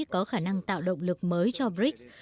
có khả năng tạo động lực mới cho brics